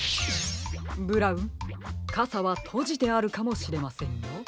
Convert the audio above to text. ブラウンかさはとじてあるかもしれませんよ。